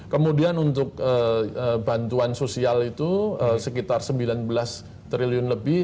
kemudian untuk bantuan sosial itu sekitar sembilan belas triliun lebih